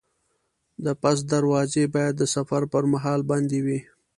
د بس دروازې باید د سفر پر مهال بندې وي.